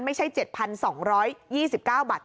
ไม่ใช่๗๒๒๙บัตร